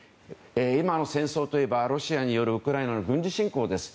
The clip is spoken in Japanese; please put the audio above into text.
今の戦争といえばロシアによるウクライナへの軍事侵攻です。